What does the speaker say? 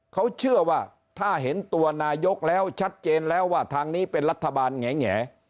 เขาเชื่อว่าถ้าเห็นตัวนายกแล้วชัดเจนแล้วว่าทางนี้เป็นรัฐบาลแหง